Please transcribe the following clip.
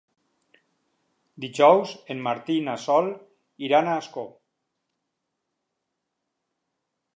Dijous en Martí i na Sol iran a Ascó.